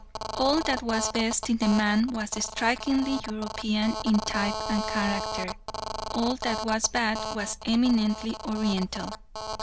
All that was best in the man was strikingly European in type and character, all that was bad was eminently Oriental.